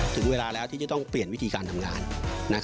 ถึงเวลาแล้วที่จะต้องเปลี่ยนวิธีการทำงาน